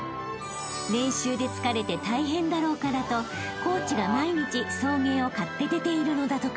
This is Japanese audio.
［練習で疲れて大変だろうからとコーチが毎日送迎を買って出ているのだとか］